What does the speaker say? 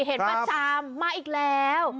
เห็นประจำมาอีกแล้ว